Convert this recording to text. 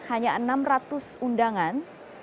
hanya enam ratus undangan